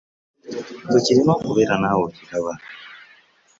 Bwe kirina okubeera naawe okiraba.